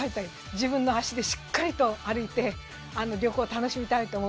自分の足でしっかりと歩いて旅行を楽しみたいと思います。